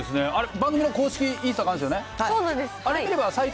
あれ、番組の公式インスタがあるんですよね。